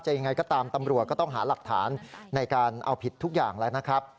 ยังไงก็ตามตำรวจก็ต้องหาหลักฐานในการเอาผิดทุกอย่างแล้วนะครับ